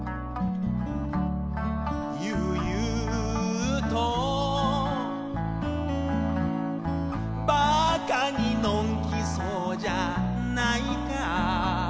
「ゆうゆうと」「馬鹿にのんきそうじゃないか」